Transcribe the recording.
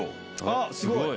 あっすごい！